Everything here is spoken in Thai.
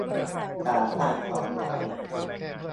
สามพันสองร้อย